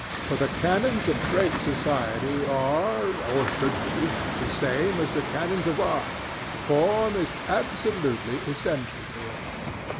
For the canons of good society are, or should be, the same as the canons of art. Form is absolutely essential to it.